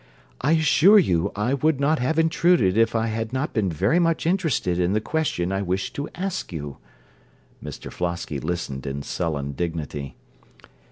_) I assure you, I would not have intruded if I had not been very much interested in the question I wish to ask you. (_Mr Flosky listened in sullen dignity.